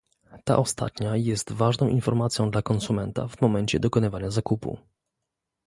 Ta ostatnia jest ważną informacją dla konsumenta w momencie dokonywania zakupu